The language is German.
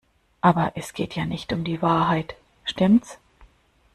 Aber es geht ja nicht um die Wahrheit, stimmts?